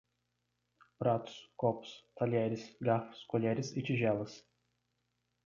Pratos, copos, talheres, garfos, colheres e tigelas